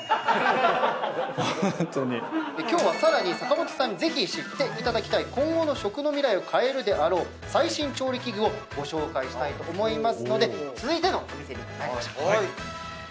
今日はさらに坂本さんにぜひ知っていただきたい今後の食の未来を変えるであろう最新調理器具をご紹介したいと思いますので続いてのお店に参りましょう。